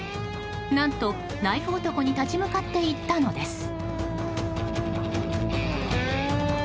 何と、ナイフ男に立ち向かっていったのです。